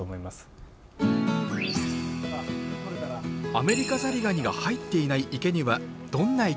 アメリカザリガニが入っていない池にはどんな生き物がいるのか？